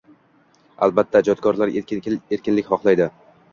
Albatta, ijodkorlar erkinlik xohlaydi.